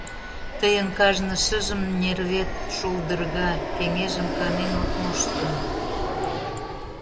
Тыйын кажне шыжым нервет шолдырга, кеҥежым канен от мошто...